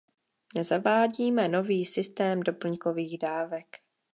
Nezavádíme nový systém doplňkových dávek.